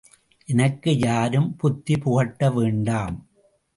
எனக்கு யாரும் புத்தி புகட்ட வேண்டாம்!...